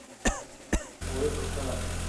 মুভির poster Aachen.